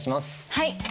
はい。